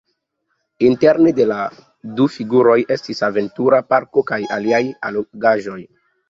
Interne de la du figuroj estis aventura parko kaj aliaj allogaĵoj.